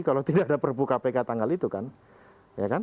kalau tidak ada perbuka pk tanggal itu kan ya kan